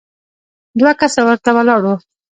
دوه کسه ورته ولاړ وو.